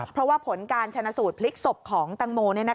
เพราะว่าผลการชนะสูตรพลิกศพของตังโม